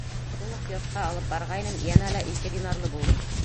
Шул уҡ йортҡа алып барғайным, йәнә лә ике динарлы булдым.